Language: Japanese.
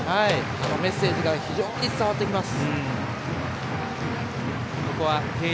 メッセージが非常に伝わってきます。